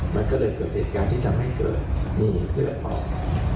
มันก็เลยเกิดเหตุการณ์ที่ทำให้เกิดนี่เลือดออก